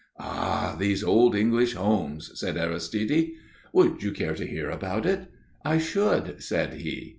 "Ah, these old English homes!" said Aristide. "Would you care to hear about it?" "I should," said he.